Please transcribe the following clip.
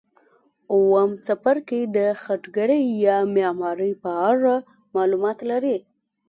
اووم څپرکی د خټګرۍ یا معمارۍ په اړه معلومات لري.